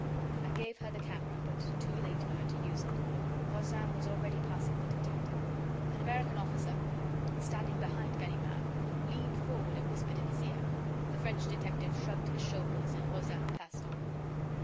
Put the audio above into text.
I gave her the camera, but too late for her to use it. Rozaine was already passing the detective. An American officer, standing behind Ganimard, leaned forward and whispered in his ear. The French detective shrugged his shoulders and Rozaine passed on.